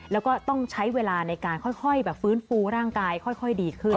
แล้วก็ต้องใช้เวลาในการค่อยฟื้นฟูร่างกายค่อยดีขึ้น